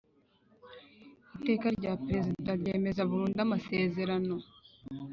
Iteka rya Perezida ryemeza burundu Amasezerano